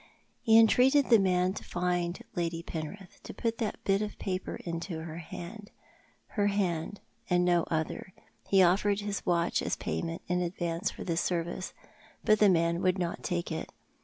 He entreated the man to find Lady Penrith— to put that bit of paper into her hand — her hand, and no other. He offered his watch as payment in advance for this service, but the man would not take it.